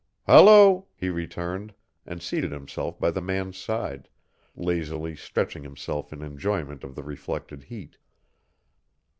"Hullo," he returned, and seated himself by the man's side, lazily stretching himself in enjoyment of the reflected heat.